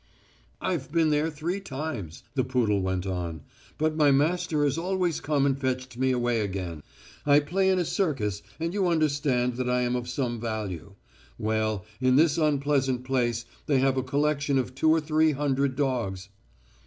"I've been there three times," the poodle went on, "but my master has always come and fetched me away again. I play in a circus, and you understand that I am of some value. Well, in this unpleasant place they have a collection of two or three hundred dogs...."